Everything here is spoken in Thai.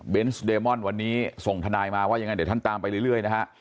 เดมอนวันนี้ส่งทนายมาว่ายังไงเดี๋ยวท่านตามไปเรื่อยนะฮะ